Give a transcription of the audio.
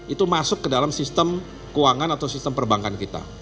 itu masuk ke dalam sistem keuangan atau sistem perbankan kita